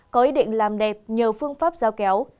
có ý định làm đẹp nhờ phương pháp giao kéo